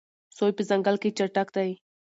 سوی په ځنګل کې چټک دی.